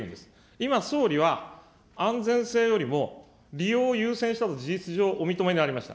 今、総理は、安全性よりも利用を優先したと、事実上、お認めになりました。